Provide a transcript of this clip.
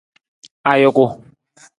Ajuku.